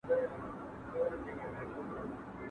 هغوی د لوبې میدان ته روان وو.